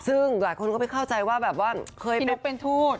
ซึ่งหลายคนก็ไปเข้าใจว่าแบบว่าเคยปุ๊กเป็นทูต